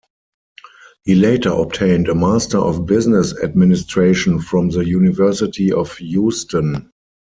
He later obtained a Master of Business Administration from the University of Houston.